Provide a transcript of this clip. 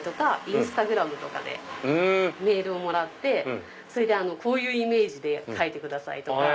インスタグラムとかでメールをもらってこういうイメージで描いてください！とか。